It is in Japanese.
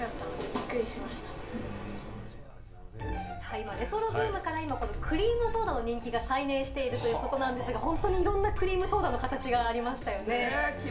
今、レトロブームからクリームソーダの人気が再燃しているということなんですが、本当にいろんなクリームソーダの形がありましたよね。